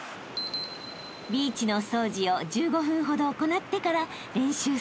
［ビーチのお掃除を１５分ほど行ってから］